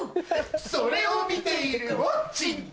それを見ているウオッチング！